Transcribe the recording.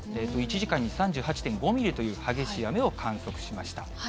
１時間に３８．５ミリという激しい雨を観測しました。